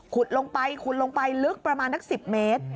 ลงไปขุดลงไปลึกประมาณนัก๑๐เมตร